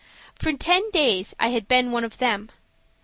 For ten days I had been one of them.